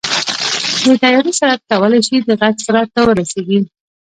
د طیارې سرعت کولی شي د غږ سرعت ته ورسېږي.